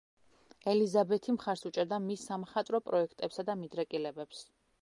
ელიზაბეთი მხარს უჭერდა მის სამხატვრო პროექტებსა და მიდრეკილებებს.